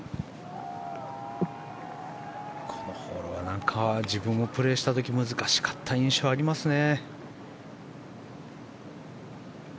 このホールは自分もプレーした時難しかった印象がありますね。